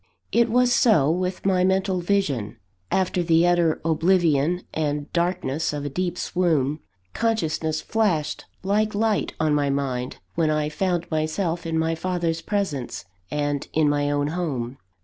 It was so with my mental vision. After the utter oblivion and darkness of a deep swoon, consciousness flashed like light on my mind, when I found myself in my father's presence, and in my own home.